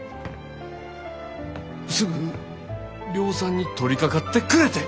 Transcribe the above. すぐ量産に取りかかってくれて！